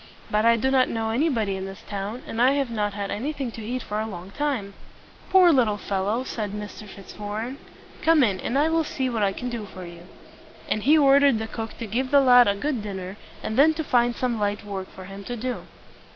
But I do not know anybody in this town, and I have not had anything to eat for a long time." "Poor little fellow!" said Mr. Fitz war ren. "Come in, and I will see what I can do for you." And he ordered the cook to give the lad a good dinner, and then to find some light work for him to do.